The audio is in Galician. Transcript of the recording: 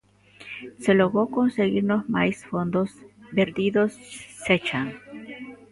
Se logo conseguimos máis fondos, benvidos sexan.